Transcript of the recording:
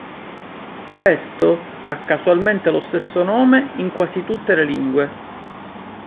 Questo, ha casualmente lo stesso nome in quasi tutte le lingue.